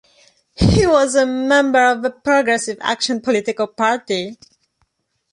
He was a member of the Progressive Action Political Party.